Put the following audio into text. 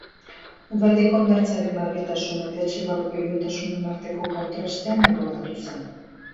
Udaldiko hondartzaren argitasun eta etxe barruko iluntasunen arteko kontrastean errodatu zen.